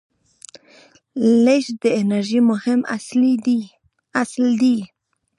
لیږد د انرژۍ مهم اصل دی.